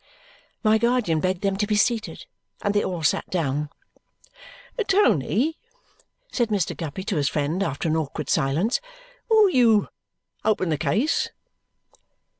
My guardian begged them to be seated, and they all sat down. "Tony," said Mr. Guppy to his friend after an awkward silence. "Will you open the case?"